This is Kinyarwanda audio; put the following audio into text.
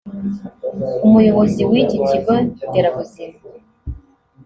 umuyobozi w’iki kigo nderabuzima